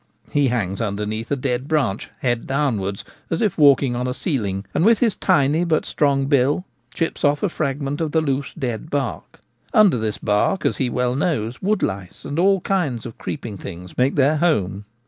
He hangs under neath a dead branch, head downwards, as if walking on a ceiling, and with his tiny but strong bill chips off a fragment of the loose dead bark. Under this bark, as he well knows, woodlice and all kinds of creeping things make their home.